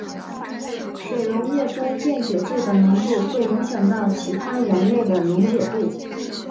水溶液中电解质的浓度会影响到其他盐类的溶解度。